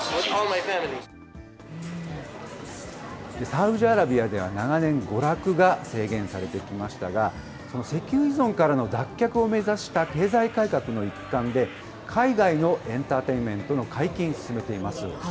サウジアラビアでは長年、娯楽が制限されてきましたが、その石油依存からの脱却を目指した経済改革の一環で、海外のエンターテインメントの解禁を進めています。